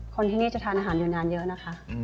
คนที่นี่จะทานอาหารอยู่นานเยอะนะคะ